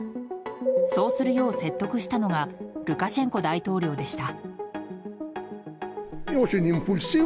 そうするよう説得したのがルカシェンコ大統領でした。